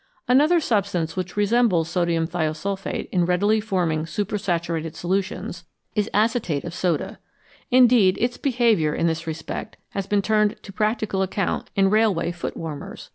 Another substance which resembles sodium thiosulphate in readily forming supersaturated solutions is acetate of 316 FROM SOLUTIONS TO CRYSTALS soda. Indeed its behaviour in this respect has been turned to practical account in railway foot warmers.